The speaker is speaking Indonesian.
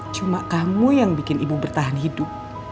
cuma kamu yang bikin ibu bertahan hidup